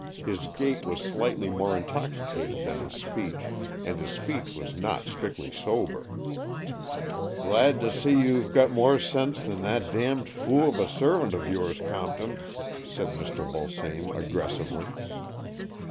His gait was slightly more intoxicated than his speech, and his speech was not strictly sober. i68 AN EXCHANGE OF SOULS 169 " Glad to see you've got more sense than that damned fool of a servant of yours, Compton," said Mr. Vulsame aggressively.